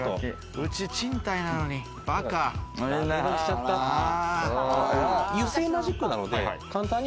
うち賃貸なのに。